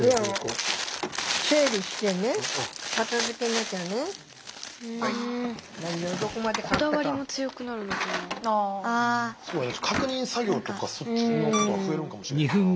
確認作業とかそっちのことが増えるんかもしれへんな。